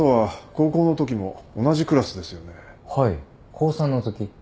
高３のとき。